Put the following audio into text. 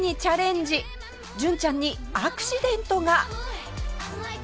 純ちゃんにアクシデントが！？